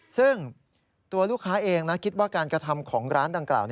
ซึ่งตัวลูกค้าเองนะคิดว่าการกระทำของร้านดังกล่าว